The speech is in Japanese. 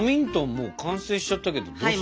もう完成しちゃったけどどうする？